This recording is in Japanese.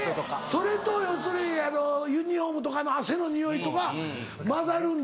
それと要するにユニホームとかの汗のニオイとか混ざるんだ。